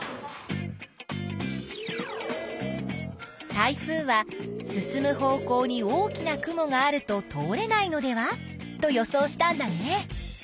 台風は進む方向に大きな雲があると通れないのではと予想したんだね。